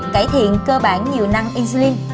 cải thiện cơ bản nhiều năng insulin